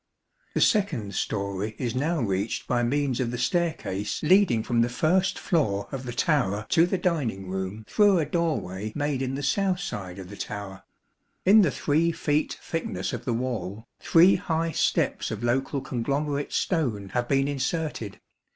36 The second storey is now reached by means of the staircase leading from the first floor of the tower to the dining room through a doorway made in the south side of the tower; in the three feet thickness of the wall, three high steps of local conglomerate stone have been inserted.